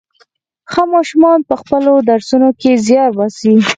ښه ماشومان په خپلو درسونو کې زيار باسي.